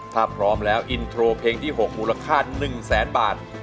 ถ้าพร้อมแล้วอินโทรเพลงที่๖มูลค่า๑แสนบาท